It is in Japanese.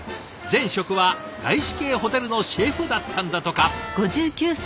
前職は外資系ホテルのシェフだったんだとか。